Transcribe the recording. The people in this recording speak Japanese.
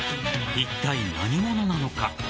いったい何者なのか。